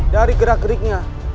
dari gerak geriknya